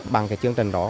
bằng cái chương trình đó